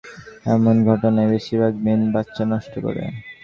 এমন ঘটনায়, বেশিরভাগ মেয়ে বাচ্চা নষ্ট করে।